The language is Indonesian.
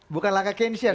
bukan langkah keynesian